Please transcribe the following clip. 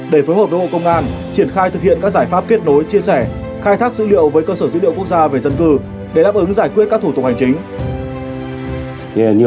để phối hợp với bộ công an triển khai thực hiện các giải pháp kết nối chia sẻ khai thác dữ liệu với cơ sở dữ liệu quốc gia về dân cư để đáp ứng giải quyết các thủ tục hành chính